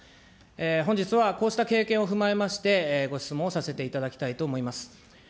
本日はこうした経験を踏まえまして、ご質問をさせていただきたいと思います。